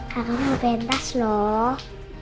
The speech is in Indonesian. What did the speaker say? kakak mau pentas loh